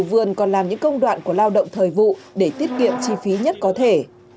các vườn còn làm những công đoạn của lao động thời vụ để tiết kiệm chi phí nhất có thể